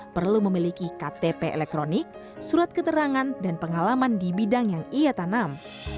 perlu memiliki ktp elektronik surat keterangan dan pengalaman di bidang yang ia tanam